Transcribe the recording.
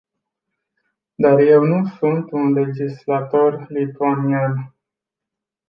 Dar eu nu sunt un legislator lituanian!